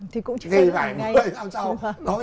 thì cũng chẳng phải ngay